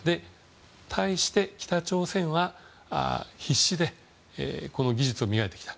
対して、北朝鮮は必死でこの技術を磨いてきた。